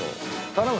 頼む！